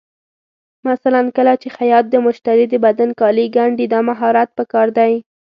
مثلا کله چې خیاط د مشتري د بدن کالي ګنډي، دا مهارت پکار دی.